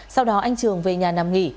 sau đó anh trường về nhà nằm nghỉ